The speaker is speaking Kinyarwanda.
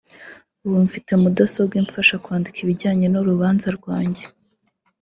ubu mfite mudasobwa imfasha kwandika ibijyanye n’urubanza rwanjye